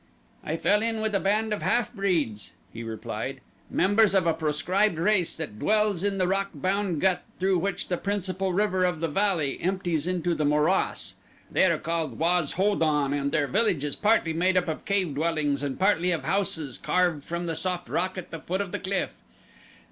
"I fell in with a band of half breeds," he replied, "members of a proscribed race that dwells in the rock bound gut through which the principal river of the valley empties into the morass. They are called Waz ho don and their village is partly made up of cave dwellings and partly of houses carved from the soft rock at the foot of the cliff.